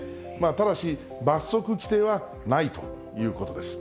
ただし、罰則規定はないということです。